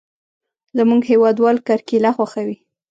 زموږ هېوادوال کرکېله خوښوي.